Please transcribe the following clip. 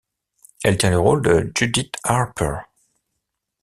Elle tient le rôle de Judith Harper.